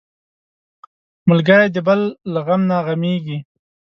ملګری د بل له غم نه غمېږي